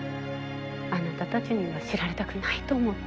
あなたたちには知られたくないと思って。